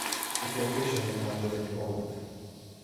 Its location is now within Poland.